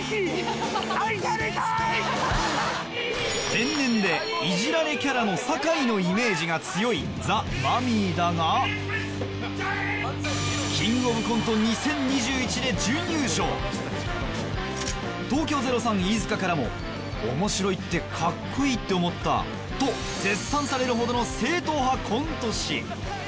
天然でいじられキャラの酒井のイメージが強いザ・マミィだが東京０３・飯塚からも「面白いってかっこいいって思った」と絶賛されるほどの正統派コント師